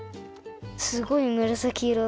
すごいむらさき色だ。